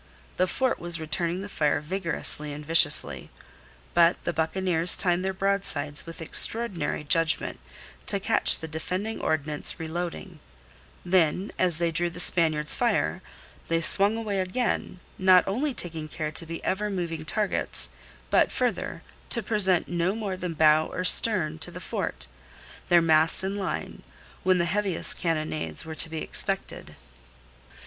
The fort was returning the fire vigorously and viciously. But the buccaneers timed their broadsides with extraordinary judgment to catch the defending ordnance reloading; then as they drew the Spaniards' fire, they swung away again not only taking care to be ever moving targets, but, further, to present no more than bow or stern to the fort, their masts in line, when the heaviest cannonades were to be expected.